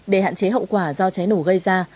để hạn chế hậu quả do cháy nổ gây ra